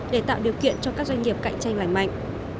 để tạo điều kiện cho các doanh nghiệp cạnh tranh lành mạnh